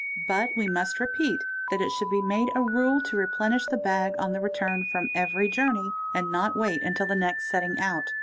But we must repeat thi it should be made a rule to replenish the bag on the return from evel journey and not wait until the next setting out.